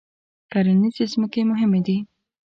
کرنیزې ځمکې مهمې دي.